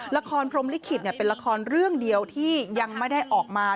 พรมลิขิตเป็นละครเรื่องเดียวที่ยังไม่ได้ออกมา